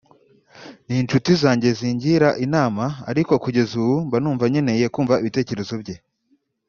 n’inshuti zanjye zingira inama ariko kugeza ubu mba numva nkeneye kumva ibitekerezo bye”